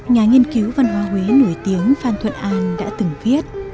nhà nghiên cứu văn hóa huế nổi tiếng phan thuận an đã từng viết